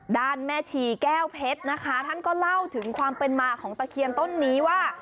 แม่ชีแก้วเพชรนะคะท่านก็เล่าถึงความเป็นมาของตะเคียนต้นนี้ว่า